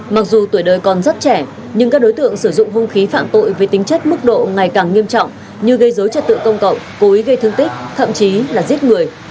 mặc dù tuổi đời còn rất trẻ nhưng các đối tượng sử dụng hung khí phạm tội với tính chất mức độ ngày càng nghiêm trọng như gây dối trật tự công cộng cố ý gây thương tích thậm chí là giết người